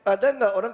ada gak orang